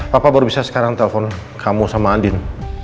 papa baru bisa sekarang telepon kamu sama andin